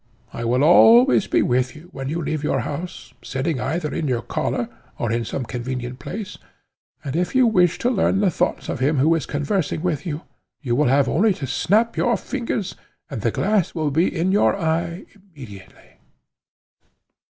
I will always be with you when you leave your house, sitting either in your collar, or in some convenient place, and if you wish to learn the thoughts of him who is conversing with you, you have only to snap your fingers, and the glass will be in your eye immediately."